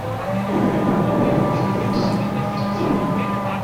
Mwaka elfu moja mia saba tisini na tisa